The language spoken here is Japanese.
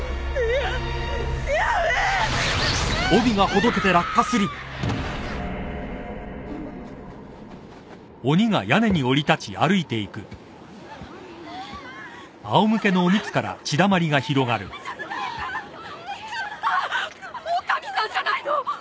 あっ女将さんじゃないの！